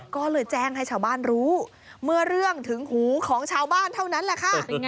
ก็เลยแจ้งให้ชาวบ้านรู้เมื่อเรื่องถึงหูของชาวบ้านเท่านั้นแหละค่ะ